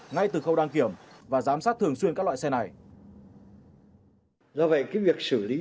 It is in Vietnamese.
ngay từ khâu đăng kiểm và giám sát thường xuyên các loại xe này